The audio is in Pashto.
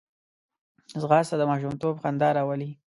ځغاسته د ماشومتوب خندا راولي